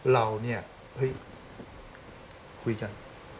เราเนี่ยเฮ้ยคุยกัน